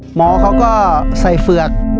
หมอเขาก็ใส่เฝือก